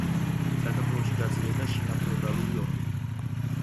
საქართველოში გაძლიერდა შინაფეოდალური ომები.